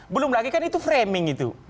belum lagi kan itu framing itu